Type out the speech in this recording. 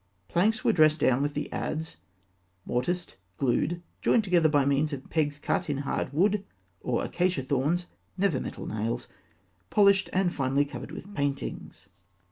Planks were dressed down with the adze, mortised, glued, joined together by means of pegs cut in hard wood, or acacia thorns (never by metal nails), polished, and finally covered with paintings.